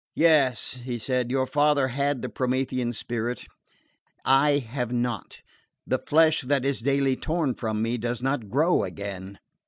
"Yes," he said, "your father had the Promethean spirit: I have not. The flesh that is daily torn from me does not grow again."